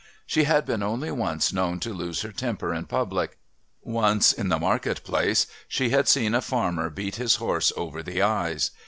She had been only once known to lose her temper in public once in the market place she had seen a farmer beat his horse over the eyes.